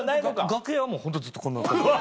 楽屋はホントずっとこんな。